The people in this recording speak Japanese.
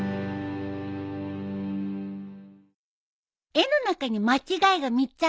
絵の中に間違えが３つあるよ。